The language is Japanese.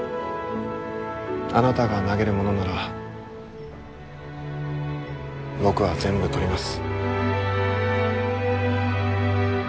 あなたが投げるものなら僕は全部取ります。